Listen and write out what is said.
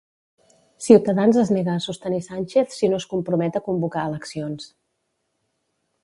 Ciutadans es nega a sostenir Sánchez si no es compromet a convocar eleccions.